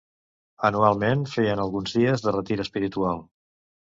Anualment, feien alguns dies de retir espiritual.